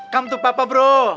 kamu tuh papa bro